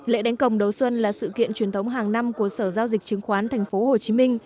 lễ đánh công đầu xuân là sự kiện truyền thống hàng năm của sở giao dịch chứng khoán tp hcm